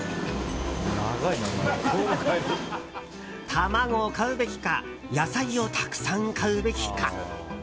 卵を買うべきか野菜をたくさん買うべきか。